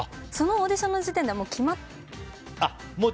そのオーディションの時点で決まってたと。